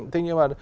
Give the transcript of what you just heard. thế nhưng mà